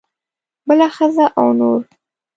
بله ښځه او نور.